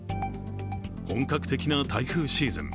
本格的な台風シーズン。